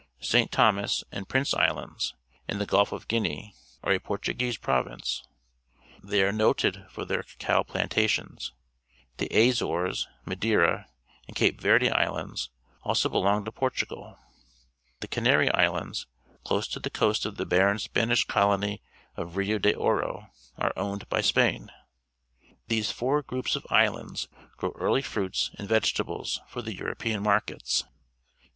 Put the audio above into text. — St. Thomas and Prince Islands, in the Gulf of Guinea, are a Portu guese pro'V'ince. Thej^ are noted for their cacao plantations. The Azores, Madeira, and Cape Verde Islands also belong to Portugal. The Canary Islands, close to the coast of the barren Spanish colony of Rio de Oro, are owned by Spain. These four groups of islands grow early fruits and vegetables for the European markets. St.